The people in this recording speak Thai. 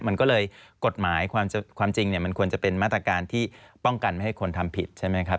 มันก็เลยกฎหมายความจริงเนี่ยมันควรจะเป็นมาตรการที่ป้องกันไม่ให้คนทำผิดใช่ไหมครับ